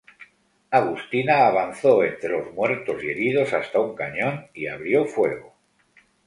Agustina avanzó entre los muertos y heridos hasta un cañón y abrió fuego.